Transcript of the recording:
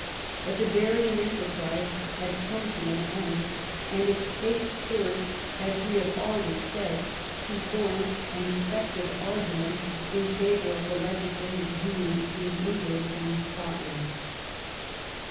But the Darien enterprise had come to an end, and its fate served, as we have already said, to form an effective argument in favor of the legisla tive union between England and Scotland.